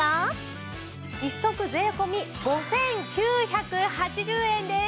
１足税込５９８０円です！